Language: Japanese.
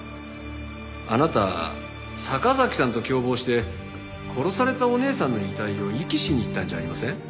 あなた坂崎さんと共謀して殺されたお姉さんの遺体を遺棄しに行ったんじゃありません？